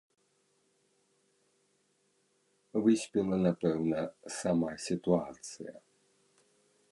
Выспела, напэўна, сама сітуацыя.